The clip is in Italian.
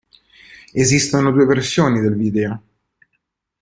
Esistono due versioni del video.